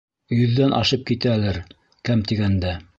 Йөҙҙән ашып китәлер, кәм тигәндә.